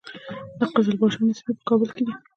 د قزلباشانو سیمې په کابل کې دي